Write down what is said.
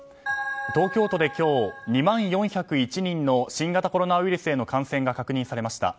東京都で今日２万４０１人の新型コロナウイルスへの感染が確認されました。